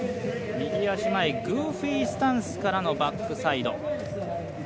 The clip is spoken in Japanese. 右足前、グーフィースタンスからのバックサイド。